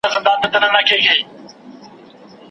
یوه حوره به راکښته سي له پاسه